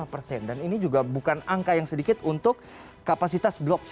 lima persen dan ini juga bukan angka yang sedikit untuk kapasitas blok c